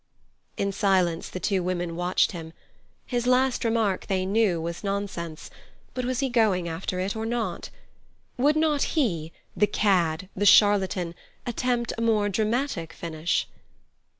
In silence the two women watched him. His last remark, they knew, was nonsense, but was he going after it or not? Would not he, the cad, the charlatan, attempt a more dramatic finish?